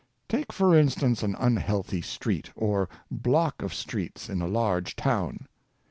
Take, for instance, an unhealthy street, or block of streets in a large town.